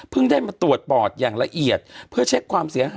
คือคือคือคือคือคือคือ